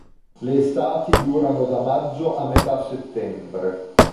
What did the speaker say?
Le estati durano da maggio a metà settembre.